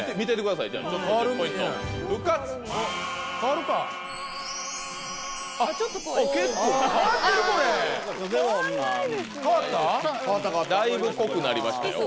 だいぶ濃くなりましたよ。